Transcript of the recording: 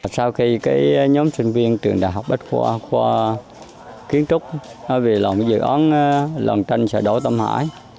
sau khi nhóm sinh viên trường đại học bắt qua kiến trúc về dự án lòng tranh xã đảo tâm hải